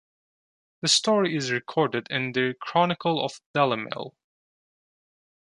The story is recorded in the "Chronicle of Dalimil".